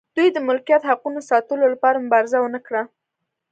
دوی د ملکیت حقونو ساتلو لپاره مبارزه ونه کړه.